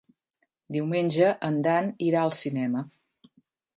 Diumenge en Dan irà al cinema.